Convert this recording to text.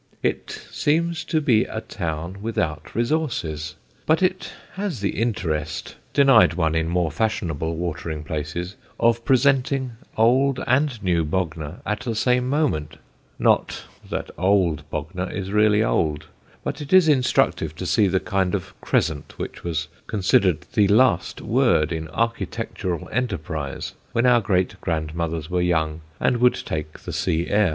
It seems to be a town without resources. But it has the interest, denied one in more fashionable watering places, of presenting old and new Bognor at the same moment; not that old Bognor is really old, but it is instructive to see the kind of crescent which was considered the last word in architectural enterprise when our great grandmothers were young and would take the sea air.